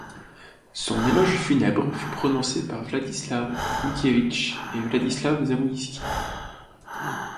Son éloge funèbre fut prononcée par Władysław Mickiewicz et Władysław Zamoyski.